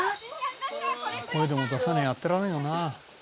「声でも出さなきゃやってらんねえよな」